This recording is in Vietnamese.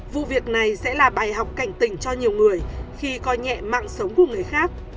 vụ việc này sẽ là bài học cảnh tỉnh cho nhiều người khi coi nhẹ mạng sống của người khác